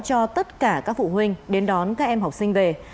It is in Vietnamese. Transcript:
cho tất cả các phụ huynh đến đón các em học sinh về